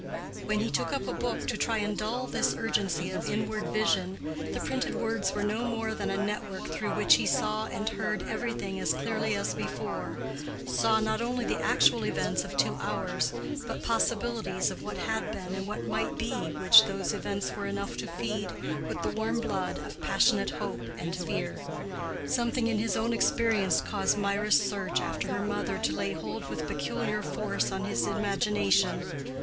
When he took up a book to try and dull this urgency of inward vision, the printed words were no more than a network through which he saw and heard everything as clearly as before—saw not only the actual events of two hours, but possibilities of what had been and what might be which those events were enough to feed with the warm blood of passionate hope and fear. Something in his own experience caused Mirah's search after her mother to lay hold with peculiar force on his imagination.